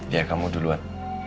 iya kamu duluan